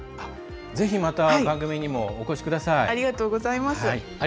ぜひ、また番組にもお越しください。